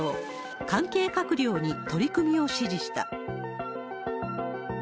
関係閣僚に取り組みを指示した。